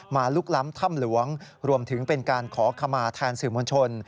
ลุกล้ำถ้ำหลวงรวมถึงเป็นการขอขมาแทนสื่อมวลชน